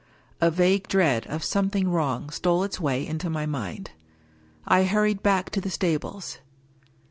A vague dread of something wrong stole its way into my mind. I hurried back to the stables.